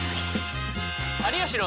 「有吉の」。